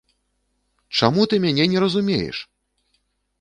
Чаму ты мяне не разумееш?!